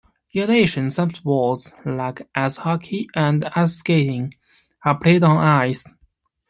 In addition, some sports, like ice hockey and ice skating, are played on ice.